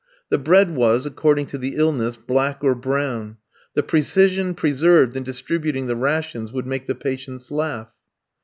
The bread was, according to the illness, black or brown; the precision preserved in distributing the rations would make the patients laugh.